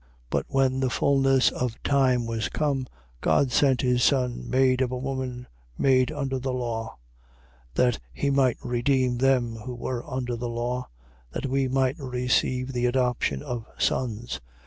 But when the fulness of the time was come, God sent his Son, made of a woman, made under the law: 4:5. That he might redeem them who were under the law: that we might receive the adoption of sons.